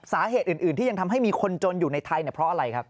สาเหตุอื่นที่ยังทำให้มีคนจนอยู่ในไทยเพราะอะไรครับ